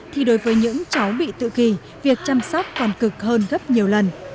thì đối với những cháu bị tự kỳ việc chăm sóc còn cực hơn gấp nhiều lần